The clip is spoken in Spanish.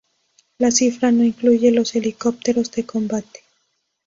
La cifra no incluye los helicópteros de combate.